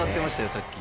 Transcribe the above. さっき。